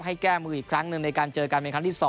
แก้มืออีกครั้งหนึ่งในการเจอกันเป็นครั้งที่๒